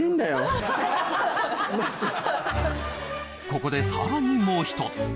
ここでさらにもう一つ